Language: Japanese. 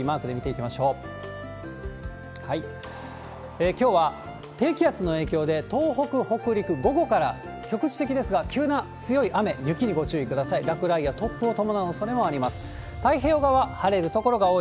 きょうは低気圧の影響で、東北、北陸、午後から局地的ですが、急な強い雨、雪にご注意ください。